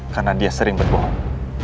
karena dia sering berbohong